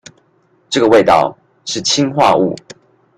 這個味道，是氰化物